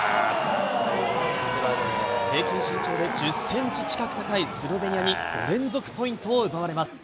平均身長で１０センチ近く高いスロベニアに５連続ポイントを奪われます。